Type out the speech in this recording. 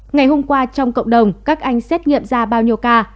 ngày hôm qua trong cộng đồng các anh xét nghiệm ra bao nhiêu ca